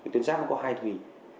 tuyến giáp có hai thùy